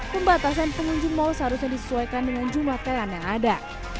pembatasan pengunjung mal seharusnya disesuaikan dengan jumlah plan yang ada